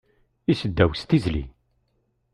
Iseddaw s tizli